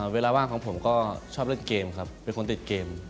เวลาว่างของผมก็ชอบเล่นเกมครับเป็นคนติดเกม